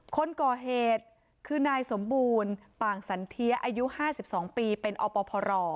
คนก่อเหตุคือนายสมบูรณ์ป่างสันเทียอายุ๕๒ปีเป็นอปพร